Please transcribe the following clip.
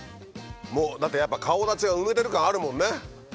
もうだってやっぱ顔立ちが埋めてる感あるもんね。